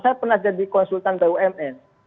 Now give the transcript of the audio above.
saya pernah jadi konsultan bumn